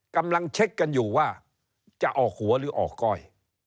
กำลังเช็คกันอยู่ว่าจะออกหัวหรือออกก้อย